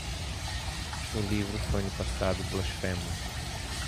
O livro foi no passado blasfemo.